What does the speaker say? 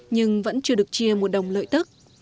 nhưng vẫn chưa được chia một đồng lợi tức